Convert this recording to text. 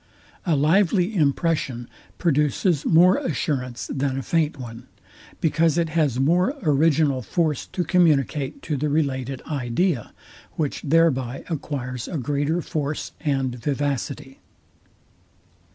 A lively impression produces more assurance than a faint one; because it has more original force to communicate to the related idea, which thereby acquires a greater force and vivacity.